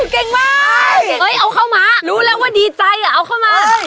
เก่งมากเอ้ยเอาเข้ามารู้แล้วว่าดีใจอ่ะเอาเข้ามา